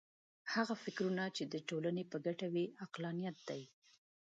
هغه فکرونه چې د ټولنې په ګټه وي عقلانیت دی.